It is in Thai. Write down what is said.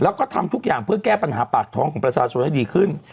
แล้วก็ทำทุกอย่างเพื่อแก้ปัญหาปากท้องของประชาชนให้ดีขึ้น